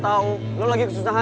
tidak ada yang bisa dipercaya